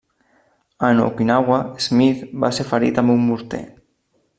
En Okinawa, Smith va ser ferit amb un morter.